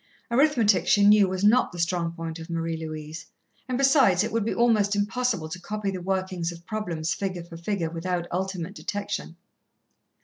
Arithmetic, she knew, was not the strong point of Marie Louise, and besides, it would be almost impossible to copy the working of problems figure for figure without ultimate detection.